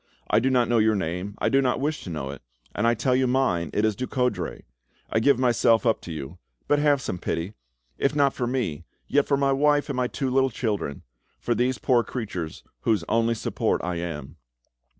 I do not know your name, I do not wish to know it, and I tell you mine, it is Ducoudray. I give myself up to you, but have some pity!—if not for me, yet for my wife and my two little children—for these poor creatures whose only support I am!"